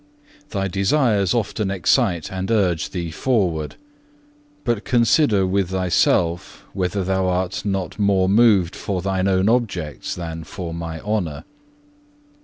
Thy desires often excite and urge thee forward; but consider with thyself whether thou art not more moved for thine own objects than for My honour.